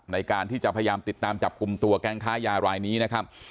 ในการที่จะพยายามติดตามจับกลุ่มตัวแก๊งค้ายารายนี้นะครับ